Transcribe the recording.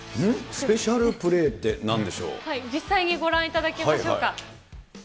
スペシャルプレーってな実際にご覧いただきましょう